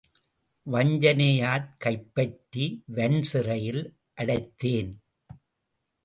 வஞ்சனையாற் கைப்பற்றி வன்சிறையில் அடைத்தேன்.